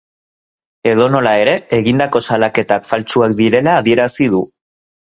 Edonola ere, egindako salaketak faltsuak direla adierazi du.